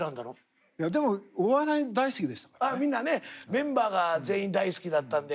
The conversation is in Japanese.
メンバーが全員大好きだったんで。